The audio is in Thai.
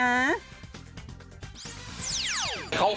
ขอให้มีน้า